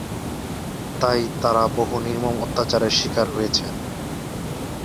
তাই তারা বহু নির্মম অত্যাচারের স্বীকার হয়েছেন।